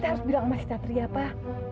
kita harus bilang sama si satria pak